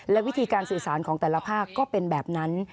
และวิธีการสื่อสารของแต่ละภาคก็เป็นแบบนั้น